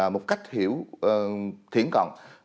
một cách hiểu thiển cận